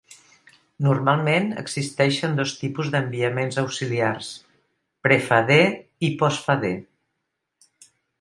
Normalment existeixen dos tipus d'enviaments auxiliars: prefader i postfader.